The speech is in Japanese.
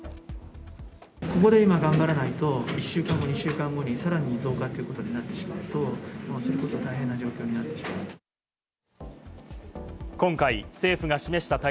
ここで今頑張らないと、１週間後、２週間後にさらに増加ということになってしまうと、それこそ大変な状況になってしまう。